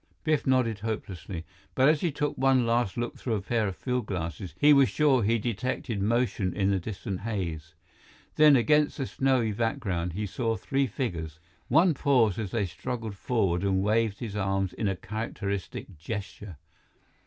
Biff nodded hopelessly. But as he took one last look through a pair of field glasses, he was sure he detected motion in the distant haze. Then, against the snowy background, he saw three figures. One paused as they struggled forward and waved his arms in a characteristic gesture.